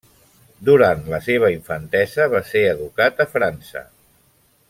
Durant la seva infantesa va ser educat a França.